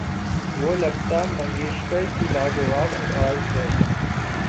وہ لتا منگیشکر کی لا جواب آواز ہے۔